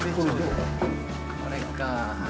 これか。